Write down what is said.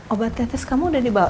obat tetes kamu udah dibawa